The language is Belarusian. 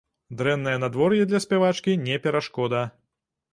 Дрэннае надвор'е для спявачкі не перашкода.